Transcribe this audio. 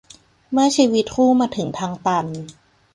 เมื่อชีวิตคู่มาถึงทางตัน